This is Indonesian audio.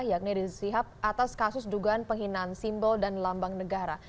yakni rizik sihab atas kasus dugaan penghinaan simbol dan lambang negara